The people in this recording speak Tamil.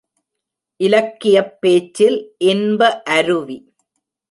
இலக்கியப் பேச்சில் இன்ப அருவி!